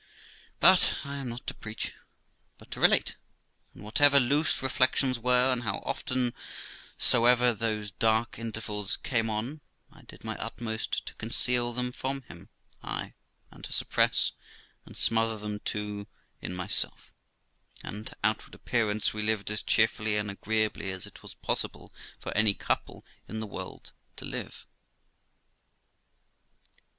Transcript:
But I am not to preach, but to relate; and whatever loose reflections were, and how often soever those dark intervals came on, I did my utmost to conceal them from him; ay, and to suppress and smother them too in myself; and, to outward appearance, we lived as cheerfully and agreeably as it was possible for any couple in the world to live.